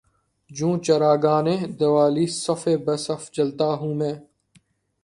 جوں چراغانِ دوالی صف بہ صف جلتا ہوں میں